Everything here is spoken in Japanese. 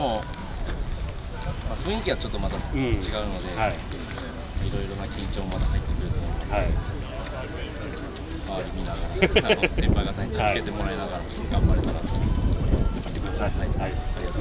雰囲気はまた違うのでいろいろな緊張感が入ってくると思いますけれども、周り見ながら、先輩方に助けてもらいながら頑張れたらなと思います。